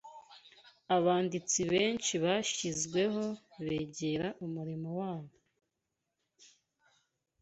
abanditsi benshi bashizweho begera umurimo wabo